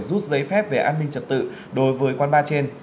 rút giấy phép về an ninh trật tự đối với quán bar trên